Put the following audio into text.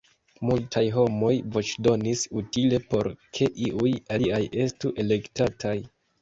Multaj homoj voĉdonis "utile" por ke iuj aliaj estu elektataj.